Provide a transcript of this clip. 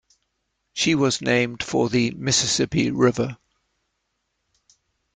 She was named for the Mississippi River.